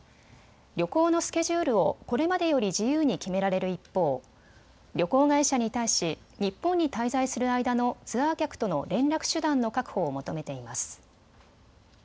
旅行のスケジュールをこれまでより自由に決められる一方、旅行会社に対し日本に滞在する間のツアー客との連絡手段の確保を求めています。